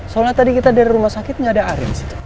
soalnya tadi kita dari rumah sakit nggak ada arin